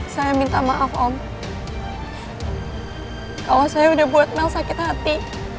saya minta maaf om kalau saya udah buat mel sakit hati